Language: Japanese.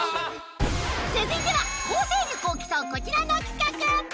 続いては構成力を競うこちらの企画